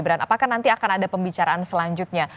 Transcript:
apakah nanti akan ada pembicaraan selanjutnya